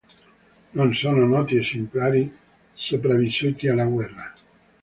Non sono noti esemplari sopravvissuti alla guerra.